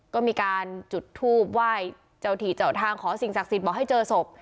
ก็มีการจุดทูบไหว้เจ้าถี่เจ้าทางขอสิ่งศักดิ์สิทธิ์บอกให้เจอศพ